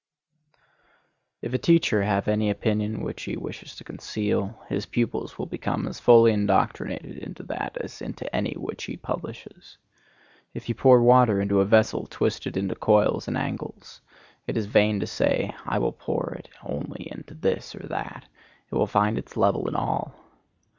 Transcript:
If a teacher have any opinion which he wishes to conceal, his pupils will become as fully indoctrinated into that as into any which he publishes. If you pour water into a vessel twisted into coils and angles, it is vain to say, I will pour it only into this or that;—it will find its level in all.